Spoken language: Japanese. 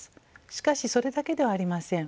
しかしそれだけではありません。